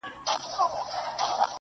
o شاعري سمه ده چي ته غواړې.